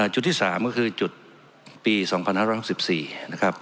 จุดที่๓ก็คือจุดปี๒๕๖๔นะครับ